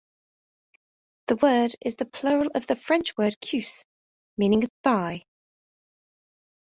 The word is the plural of the French word "cuisse" meaning 'thigh'.